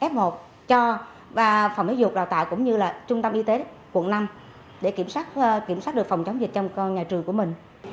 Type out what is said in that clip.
f một cho phòng giáo dục đào tạo cũng như là trung tâm y tế quận năm để kiểm soát được phòng chống dịch trong nhà trường của mình